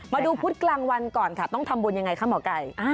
พุธกลางวันก่อนค่ะต้องทำบุญยังไงคะหมอไก่